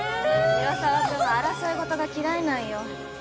広沢君は争い事が嫌いなんよ